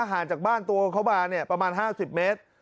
ห่างจากบ้านตัวเขามาเนี่ยประมาณ๕๐เมตร